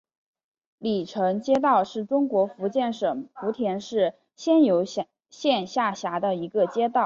鲤城街道是中国福建省莆田市仙游县下辖的一个街道。